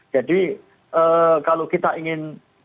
jadi kalau kita ingin